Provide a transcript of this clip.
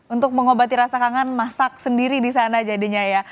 untuk mengobati rasa kangen masak sendiri di sana jadinya ya